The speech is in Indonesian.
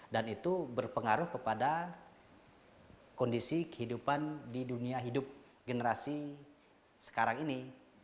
dan itu berpengaruh kepada kondisi kehidupan di dunia hidup generasi sekarang ini